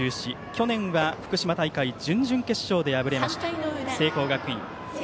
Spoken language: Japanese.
去年は福島大会準々決勝で敗れました聖光学院です。